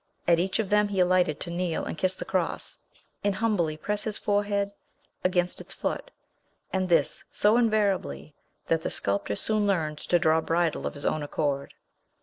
At each of them he alighted to kneel and kiss the cross, and humbly press his forehead against its foot; and this so invariably, that the sculptor soon learned to draw bridle of his own accord.